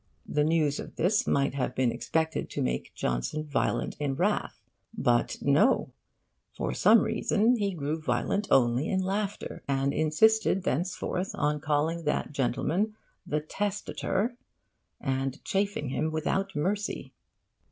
The news of this might have been expected to make Johnson violent in wrath. But no, for some reason he grew violent only in laughter, and insisted thenceforth on calling that gentleman The Testator and chaffing him without mercy.